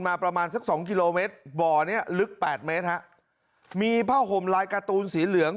มาประมาณสัก๒กิโลเมตรบ่อนี้ลึก๘เมตรมีผ้าห่อห่มลายการ์ตูนสีเหลือง